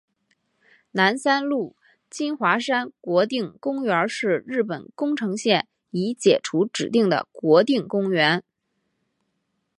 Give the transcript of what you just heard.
南三陆金华山国定公园是日本宫城县已解除指定的国定公园。